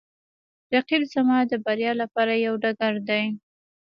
رقیب زما د بریا لپاره یوه ډګر دی